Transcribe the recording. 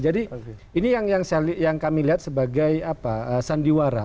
jadi ini yang kami lihat sebagai sandiwara